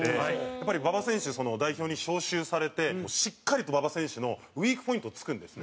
やっぱり馬場選手代表に招集されてしっかりと馬場選手のウィークポイントを突くんですね。